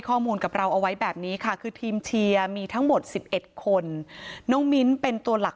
ข้อมูลกับเราเอาไว้แบบนี้ค่ะคือทีมเชียร์มีทั้งหมด๑๑คนน้องมิ้นเป็นตัวหลัก